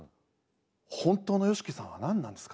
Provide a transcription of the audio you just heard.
本当のＹＯＳＨＩＫＩさんは何なんですか？